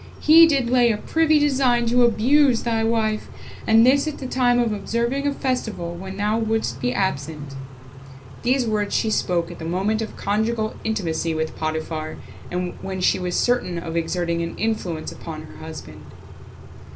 He did lay a privy design to abuse thy wife, and this at the time of observing a festival, when thou wouldst be absent." These words she spoke at the moment of conjugal intimacy with Potiphar, when she was certain of exerting an influence upon her husband.